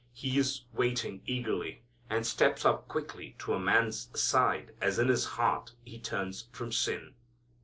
He is waiting eagerly, and steps up quickly to a man's side as in his heart he turns from sin.